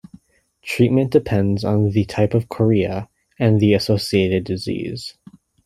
Treatment depends on the type of chorea and the associated disease.